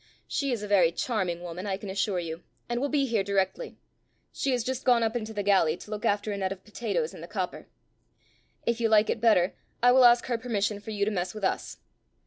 She is a very charming woman, I can assure you, and will be here directly; she has just gone up into the galley to look after a net of potatoes in the copper. If you like it better, I will ask her permission for you to mess with us."